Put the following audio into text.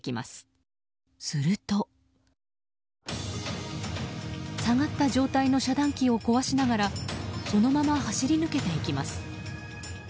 すると、下がった状態の遮断機を壊しながらそのまま走り抜けていきます。